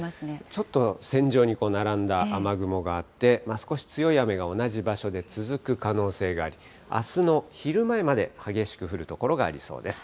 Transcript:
ちょっと線状に並んだ雨雲があって、少し強い雨が同じ場所で続く可能性があり、あすの昼前まで激しく降る所がありそうです。